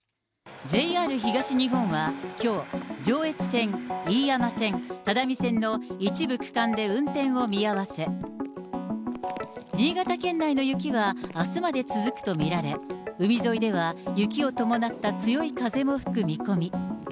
ＪＲ東日本は、きょう、上越線、飯山線、只見線の一部区間で運転を見合わせ、新潟県内の雪はあすまで続くと見られ、海沿いでは雪を伴った強い風も吹く見込み。